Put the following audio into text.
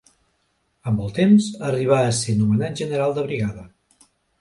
Amb el temps, arribà a ser nomenat General de Brigada.